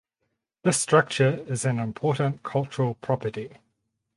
This structure is an Important Cultural Property.